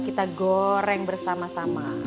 kita goreng bersama sama